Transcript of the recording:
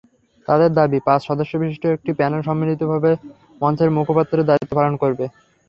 তাদের দাবি, পাঁচ সদস্যবিশিষ্ট একটি প্যানেল সম্মিলিতভাবে মঞ্চের মুখপাত্রের দায়িত্ব পালন করবে।